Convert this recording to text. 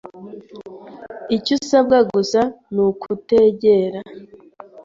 Icyo usabwa gusa ni ukutegera